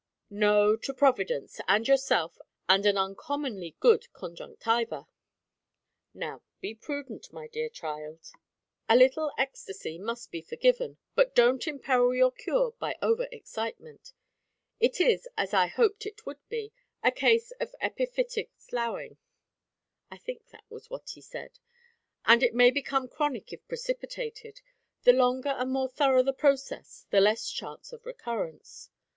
"No, to Providence, and yourself, and an uncommonly good conjunctiva. Now be prudent, my dear child; a little ecstasy must be forgiven; but don't imperil your cure by over excitement. It is, as I hoped it would be, a case of epiphytic sloughing" (I think that was what he said), "and it may become chronic if precipitated. The longer and more thorough the process, the less chance of recurrence."